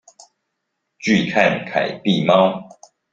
拒看凱蒂貓